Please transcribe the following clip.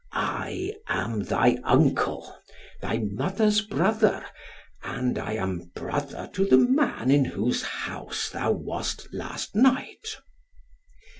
I am thy uncle, thy mother's brother, and I am brother to the man in whose house thou wast last night."